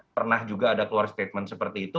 pernah juga ada keluar statement seperti itu